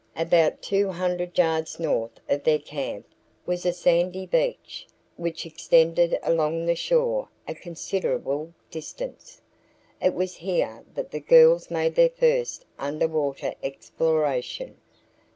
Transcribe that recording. About 200 yards north of their camp was a sandy beach which extended along the shore a considerable distance. It was here that the girls made their first under water exploration.